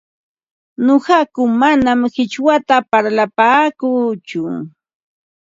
Nuqaku manam qichwata parlapaakuuchu,